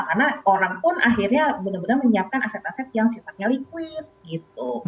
karena orang pun akhirnya benar benar menyiapkan aset aset yang sifatnya liquid gitu